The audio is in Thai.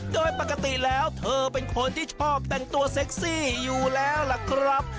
โดยปกติแล้วเธอเป็นคนที่ชอบแต่งตัวเซ็กซี่อยู่แล้วล่ะครับ